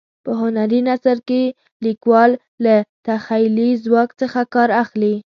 په هنري نثر کې لیکوال له تخیلي ځواک څخه کار اخلي.